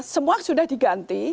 semua sudah diganti